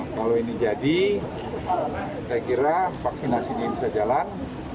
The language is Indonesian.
kalau ini jadi saya kira vaksinasi ini bisa jalan